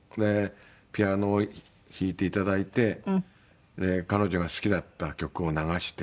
ピアノを弾いていただいて彼女が好きだった曲を流して。